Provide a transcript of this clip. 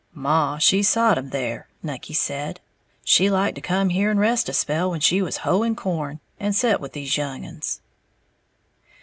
"Maw she sot 'em there," Nucky said, "she liked to come here and rest a spell when she was hoeing corn, and set with these young uns."